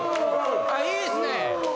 いいですね！